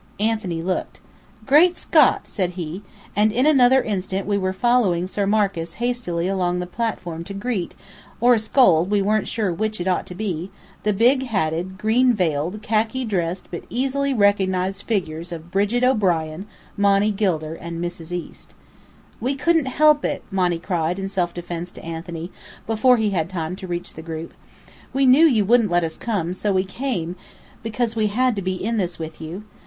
Anthony looked. "Great Scott!" said he. And in another instant we were following Sir Marcus hastily along the platform to greet or scold (we weren't sure which it ought to be) the big hatted, green veiled, khaki dressed but easily recognised figures of Brigit O'Brien, Monny Gilder, and Mrs. East. "We couldn't help it," Monny cried in self defence to Anthony, before he had time to reach the group. "We knew you wouldn't let us come, so we came because we had to be in this with you.